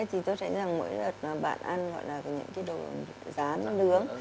vâng ở đây thì tôi thấy rằng mỗi đợt mà bạn ăn gọi là những cái đồ dán nướng